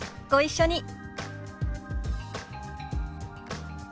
ご一緒に。